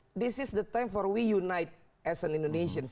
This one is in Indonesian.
ini adalah waktu untuk kita berkongsi sebagai orang indonesia